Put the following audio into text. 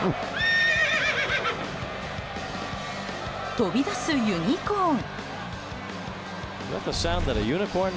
飛び出すユニコーン。